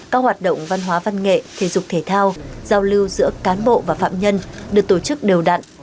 các hoạt động văn hóa văn nghệ thể dục thể thao giao lưu giữa cán bộ và phạm nhân được tổ chức đều đặn